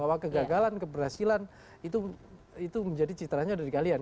bahwa kegagalan keberhasilan itu menjadi citarannya ada di kalian